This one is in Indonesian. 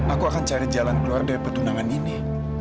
aku akan cari jalan keluar dari pertunangan ini